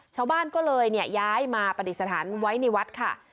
ชาวบ้านก็เลยย้ายมาปฏิสถานไว้ในวัดค่ะ